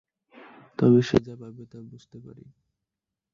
তবে সে যা ভাবে তা বুঝতে পারি।